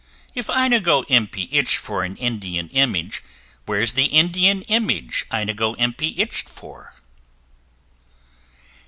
If Inigo Impey itched for an Indian Image, Where's the Indian Image Inigo Impey itch'd for?